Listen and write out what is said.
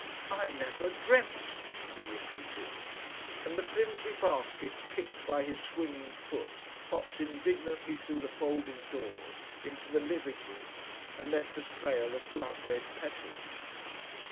"I never dreamt," he repeated, and the flimsy basket kicked by his swinging foot hopped indignantly through the folding doors into the living room and left a trail of blood red petals.